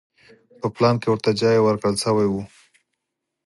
په پلان کې ورته ځای ورکړل شوی و.